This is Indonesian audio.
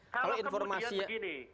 kalau kemudian begini